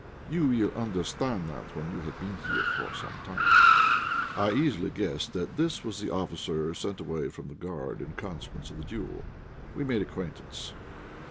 You will understand that when you have been here some time!" I easily guessed that this was the officer sent away from the Guard in consequence of the duel. We made acquaintance.